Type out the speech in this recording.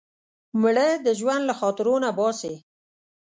مړه د ژوند له خاطرو نه باسې